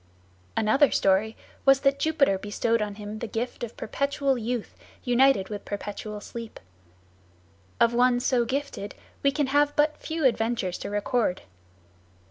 Another story was that Jupiter bestowed on him the gift of perpetual youth united with perpetual sleep. Of one so gifted we can have but few adventures to record.